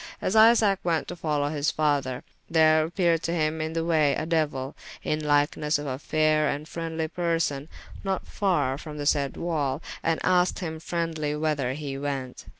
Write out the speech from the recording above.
As Isaac went to follow his father, there appeared to him in the way a Deuyl, in lykenesse of a fayre and freendly person, not farre from the sayde wall, and asked hym freendlye whyther he went.